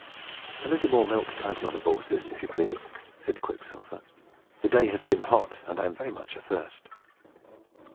"A little more milk, kind Mother Baucis, if you please," said Quicksilver. "The day has been hot, and I am very much athirst."